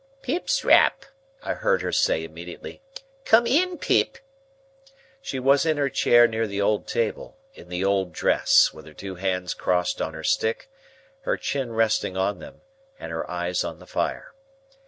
"Pip's rap," I heard her say, immediately; "come in, Pip." She was in her chair near the old table, in the old dress, with her two hands crossed on her stick, her chin resting on them, and her eyes on the fire.